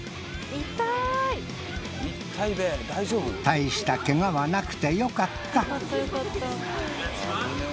大したケガはなくてよかった